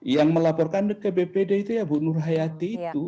yang melaporkan ke bpd itu ya bu nur hayati itu